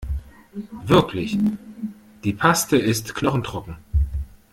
Wirklich, die Paste ist knochentrocken.